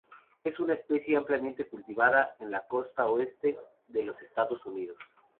Es una especie ampliamente cultivada, en la costa oeste de los Estados Unidos.